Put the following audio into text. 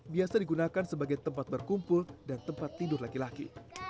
biasa digunakan sebagai tempat berkumpul dan tempat tidur laki laki